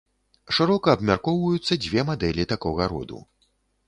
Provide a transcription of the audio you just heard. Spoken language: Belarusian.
Шырока абмяркоўваюцца дзве мадэлі такога роду.